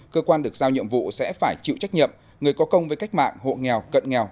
cơ quan được giao nhiệm vụ sẽ phải chịu trách nhiệm người có công với cách mạng hộ nghèo cận nghèo